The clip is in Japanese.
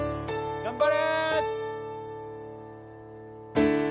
頑張れ！